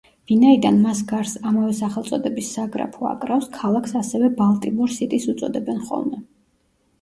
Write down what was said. ვინაიდან მას გარს ამავე სახელწოდების საგრაფო აკრავს, ქალაქს ასევე ბალტიმორ სიტის უწოდებენ ხოლმე.